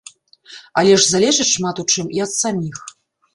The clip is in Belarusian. Але ж залежыць шмат у чым і ад саміх.